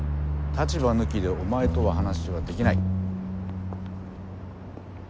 立場抜きでお前とは話はできない。